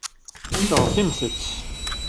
Seɣtimt-t.